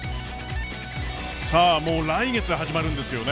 さあ、もう来月始まるんですよね。